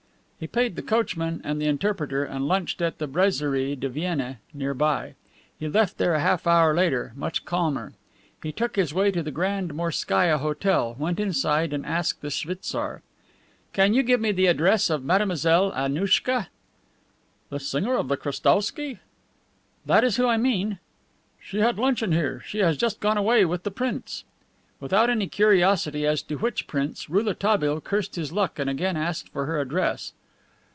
He paid the coachman and the interpreter, and lunched at the Brasserie de Vienne nearby. He left there a half hour later, much calmer. He took his way to the Grand Morskaia Hotel, went inside and asked the schwitzar: "Can you give me the address of Mademoiselle Annouchka?" "The singer of the Krestowsky?" "That is who I mean." "She had luncheon here. She has just gone away with the prince." Without any curiosity as to which prince, Rouletabille cursed his luck and again asked for her address.